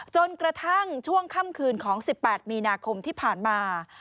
จนกระทั่งช่วงค่ำคืนของ๑๘มีนาคมที่ผ่านมา